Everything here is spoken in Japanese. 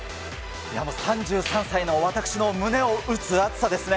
いやもう３３歳の私の胸を打つ熱さですね。